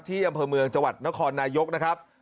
อำเภอเมืองจังหวัดนครนายกนะครับ